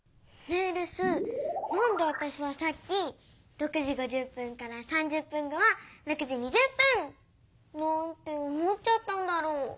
レスなんでわたしはさっき６時５０分から３０分後は６時２０分！なんて思っちゃったんだろう？